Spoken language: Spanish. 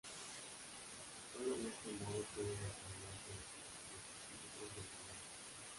Solo de este modo pueden examinarse los efectos específicos de la hipnosis.